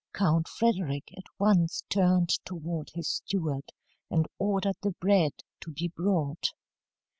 Count Frederick at once turned toward his steward and ordered the bread to be brought.